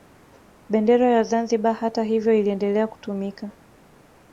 Bendera ya Zanzibar hata hivyo iliendelea kutumika